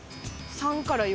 ３から４。